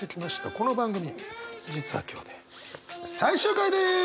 この番組実は今日で最終回です。